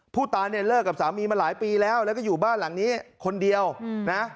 ผู้ตายเนี่ยเลิกกับสามีมาหลายปีแล้วแล้วก็อยู่บ้านหลังนี้คนเดียวนะ